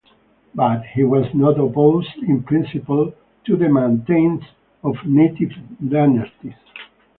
But he was not opposed in principle to the maintenance of native dynasties.